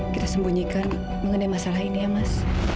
kita sembunyikan mengenai masalah ini ya mas